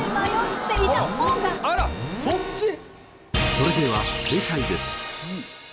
それでは正解です。